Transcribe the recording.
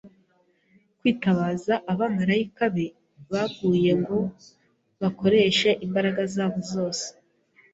kwitabaza abamarayika be baguye ngo bakoreshe imbaraga zabo zose